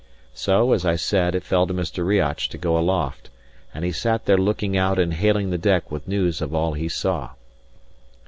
So, as I say, it fell to Mr. Riach to go aloft, and he sat there looking out and hailing the deck with news of all he saw.